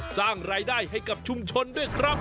สร้างรายได้ให้กับชุมชนด้วยครับ